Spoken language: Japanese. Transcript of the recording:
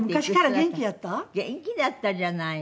元気だったじゃないの。